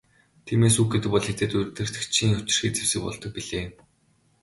Тиймээс үг гэдэг бол хэзээд удирдагчийн хүчирхэг зэвсэг болдог билээ.